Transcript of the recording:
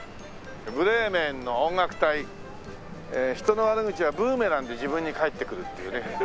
「ブレーメンの音楽隊」人の悪口はブーメランで自分に返ってくるっていうね。